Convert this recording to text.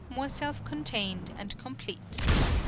} (84) more self contained and complete.